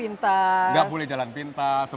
nggak boleh jalan pintas